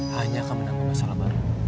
hanya akan menanggung masalah baru